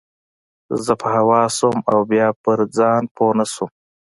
زه په هوا سوم او بيا پر ځان پوه نه سوم.